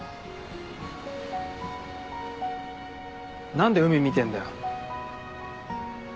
何で海見てんだよ。